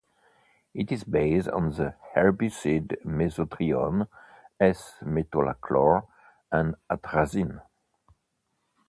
It is based on the herbicides mesotrione, s-metolachlor, and atrazine.